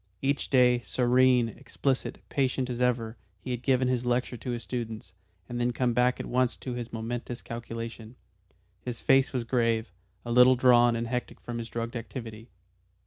Each day, serene, explicit, patient as ever, he had given his lecture to his students, and then had come back at once to this momentous calculation. His face was grave, a little drawn and hectic from his drugged activity.